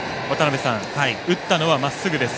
打ったのは、まっすぐです。